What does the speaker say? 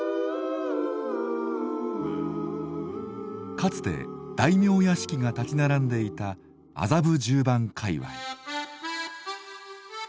かつて大名屋敷が立ち並んでいた麻布十番界隈。